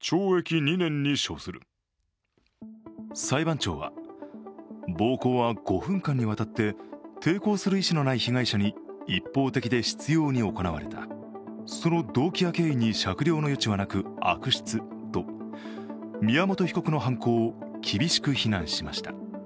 裁判長は、暴行は５分間にわたって抵抗する意思のない被害者に一方的で執ように行われたその動機や経緯に酌量の余地はなく悪質と宮本被告の犯行を厳しく非難しました。